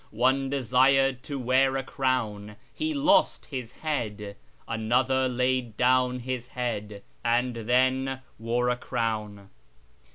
One desired to wear a crown — he lost his head : Another laid down his head — and then wore a crown."